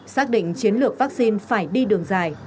xác định chiến lược vaccine phải đi đường dài